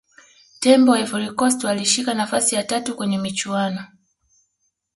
tembo wa ivory coast walishika nafasi ya tatu kwenye michuano